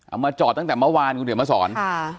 เอามาจอดตั้งแต่เมื่อวานคุณเดี๋ยวมาสอนค่ะ